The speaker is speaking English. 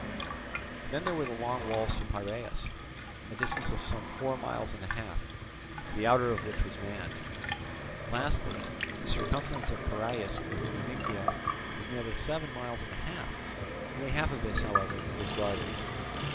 Then there were the Long Walls to Piraeus, a distance of some four miles and a half, the outer of which was manned. Lastly, the circumference of Piraeus with Munychia was nearly seven miles and a half; only half of this, however, was guarded.